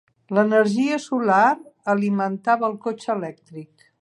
L'energia solar alimentava el cotxe elèctric.